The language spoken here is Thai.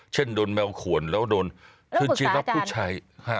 เช่นโดนแมวขวนแล้วโดนคืนชีรับผู้ชาย